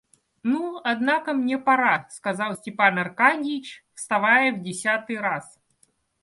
Ну, однако мне пора, — сказал Степан Аркадьич, вставая в десятый раз.